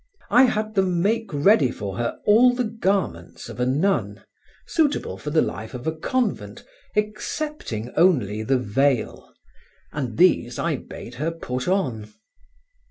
I had them make ready for her all the garments of a nun, suitable for the life of a convent, excepting only the veil, and these I bade her put on.